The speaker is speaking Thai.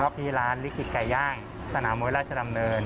ที่ร้านลิขิตไก่ย่างสนามมวยราชดำเนิน